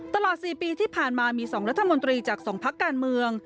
ตลอดสี่ปีที่ผ่านมามีสองรัฐมนตรีจากสองภักดิ์การเมือง